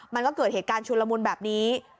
มันก็เกิดเหตุการณ์ชุนละมุนแบบนี้